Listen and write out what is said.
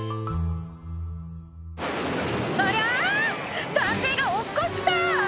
ありゃ⁉男性が落っこちた！